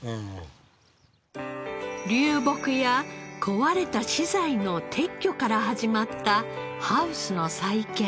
流木や壊れた資材の撤去から始まったハウスの再建。